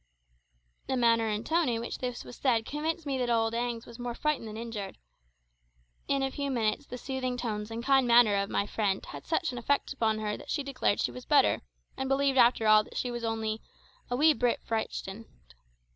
The manner and tone in which this was said convinced me that old Agnes was more frightened than injured. In a few minutes the soothing tones and kind manner of my friend had such an effect upon her that she declared she was better, and believed after all that she was only a "wee bit frichtened."